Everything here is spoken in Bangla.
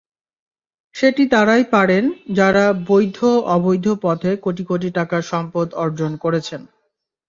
সেটি তাঁরাই পারেন, যাঁরা বৈধ-অবৈধ পথে কোটি কোটি টাকার সম্পদ অর্জন করেছেন।